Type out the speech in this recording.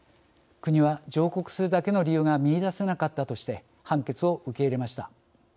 国は上告するだけの理由が見いだせなかったとして判決を受け入れました。